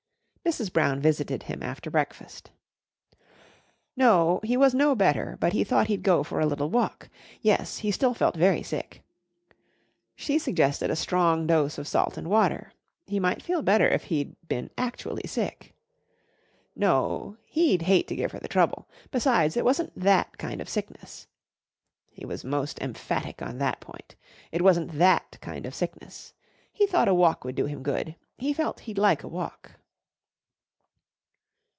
Mrs. Brown visited him after breakfast. No, he was no better, but he thought he'd go for a little walk. Yes, he still felt very sick. She suggested a strong dose of salt and water. He might feel better if he'd been actually sick. No, he'd hate to give her the trouble. Besides, it wasn't that kind of sickness. He was most emphatic on that point. It wasn't that kind of sickness. He thought a walk would do him good. He felt he'd like a walk.